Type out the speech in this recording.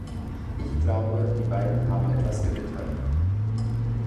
Ich glaube, die beiden haben etwas gewittert.